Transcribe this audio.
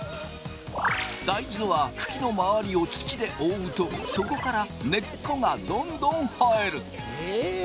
大豆は茎の周りを土で覆うとそこから根っこがどんどん生える。